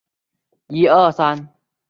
创造优质生活环境